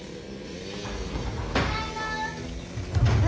ただいま！